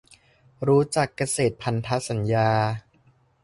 รู้จัก "เกษตรพันธสัญญา"